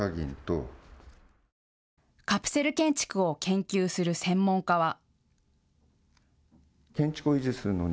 カプセル建築を研究する専門家は。